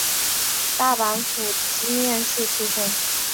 大阪府箕面市出生。